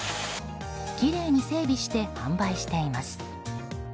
きれいに整備して販売しています。